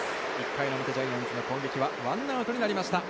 １回表ジャイアンツの攻撃はワンアウトになりました。